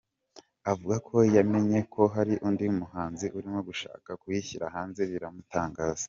Avuga ko yamenye ko hari undi muhanzi urimo gushaka kuyishyira hanze biramutangaza.